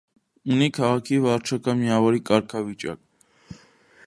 Ունի քաղաքի վարչական միավորի կարգավիճակ։